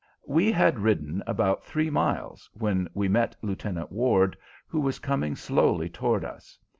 We had ridden about three miles, when we met Lieutenant Ward, who was coming slowly toward us.